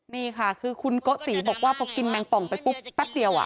นี่ค่ะคือคุณโกติบอกว่าพอกินแมงป่องไปปุ๊บแป๊บเดียว